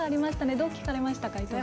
どう聞かれましたか？